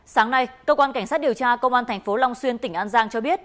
sáng nay cơ quan cảnh sát điều tra công an tp long xuyên tỉnh an giang cho biết